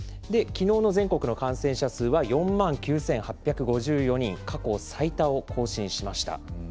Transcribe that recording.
きのうの全国の感染者数は４万９８５４人、過去最多を更新しました。